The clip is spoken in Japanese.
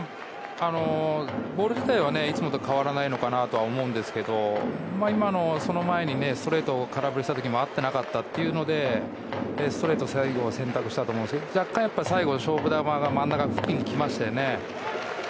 ボール自体はいつもと変わらないかなと思いますがその前にストレートを空振りした時も合っていなかったというので最後にストレートを選択したと思いますが若干、最後、勝負球が真ん中付近に来ましたね。